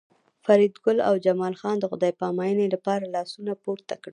فریدګل او جمال خان د خدای پامانۍ لپاره لاسونه پورته کړل